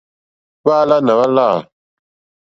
Hwáǎlánà hwá lâ.